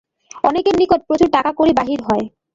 অনেকের নিকট প্রচুর টাকা-কড়ি বাহির হয়।